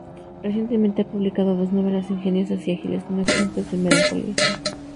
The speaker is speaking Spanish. Recientemente ha publicado dos novelas ingeniosas y ágiles, no exentas de melancolía.